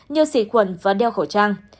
như xịt quần và đeo khẩu trang